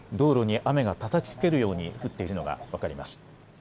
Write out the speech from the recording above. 道路に雨がたたきつけように降っているのが分かります。